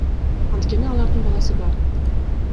Анткени алардын баласы бар.